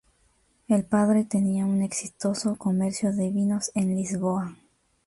El padre tenía un exitoso comercio de vinos en Lisboa.